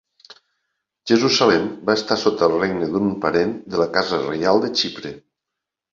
Jerusalem va estar sota el regne d'un parent de la casa reial de Xipre.